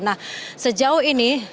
nah sejauh ini